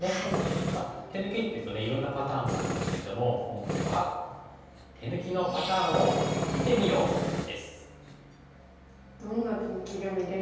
手抜きっていうといろんなパターンがあるんですけども今回はどんな手抜きが見れるんでしょうか。